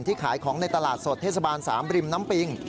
ขายของในตลาดสดเทศบาล๓ริมน้ำปิง